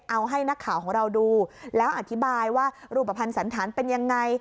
เอาให้นักข่าวของเราดูแล้วอธิบายว่ารูปภัณฑ์สันธารเป็นยังไง